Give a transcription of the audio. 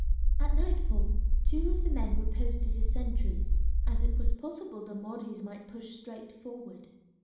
At nightfall two of the men were posted as sentries, as it was possible the Mahdists might push straight forward.